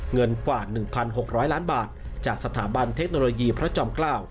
เงินกว่า๑๖๐๐ล้านบาทจากสถาบันเทคโนโลยีพระจอมเกล้า